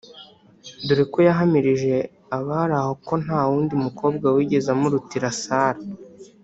dore ko yahamirije abari aho ko nta wundi mukobwa wigeze amurutira Sarah